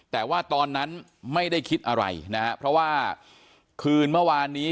แต่ว่าตอนนั้นไม่ได้คิดอะไรนะฮะเพราะว่าคืนเมื่อวานนี้